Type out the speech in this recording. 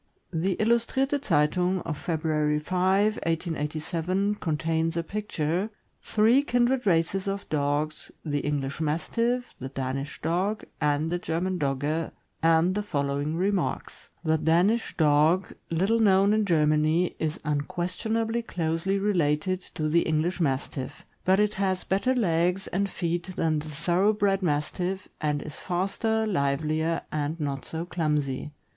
The niustrirte Zeitung of February 5, 1887, contains a picture, "Three Kindred Races of Dogs, the English Mas tiff, the Danish Dog, and the German Dogge," and the following remarks: The Danish Dog, little known in Germany, is unquestionably closely related to the English Mastiff, but has better legs and feet than the thorough bred Mastiff, and is faster, livelier, and not so clumsy.